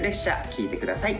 聴いてください